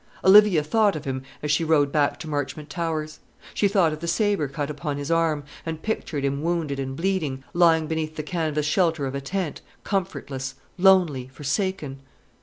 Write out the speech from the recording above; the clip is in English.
Olivia thought of him as she rode back to Marchmont Towers. She thought of the sabre cut upon his arm, and pictured him wounded and bleeding, lying beneath the canvass shelter of a tent, comfortless, lonely, forsaken.